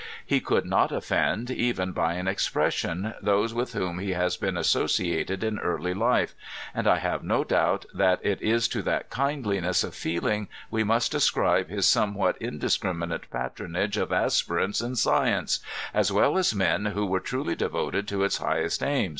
He could not offend, even by an expression, those with whom he has been associated in early life ; and I have no doubt that it is to that kindliness of feeling we must ascribe his some what indiscriminate patronage of aspirants in science, as well as men who were truly devoted to its highest aba.